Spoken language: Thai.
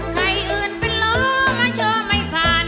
ใครอื่นเป็นล้อมันเชื่อไม่ผ่าน